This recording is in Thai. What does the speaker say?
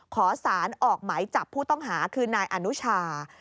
ขอสารออกหมายจับผู้ต้องหาคือนายอนุชา